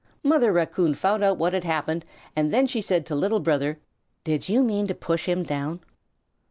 Mother Raccoon found out what had happened, and then she said to Little Brother, "Did you mean to push him down?"